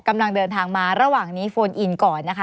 กำลังเดินทางมาระหว่างนี้โฟนอินก่อนนะคะ